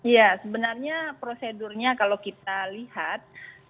ya sebenarnya prosedurnya kalau kita lihat